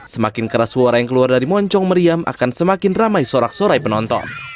semakin keras suara yang keluar dari moncong meriam akan semakin ramai sorak sorai penonton